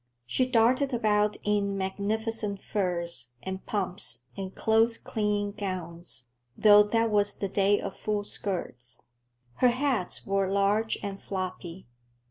She darted about in magnificent furs and pumps and close clinging gowns, though that was the day of full skirts. Her hats were large and floppy.